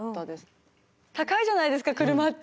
高いじゃないですか車って。